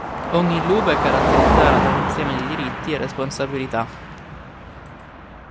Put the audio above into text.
Ogni luba è caratterizzata da un insieme di diritti e responsabilità.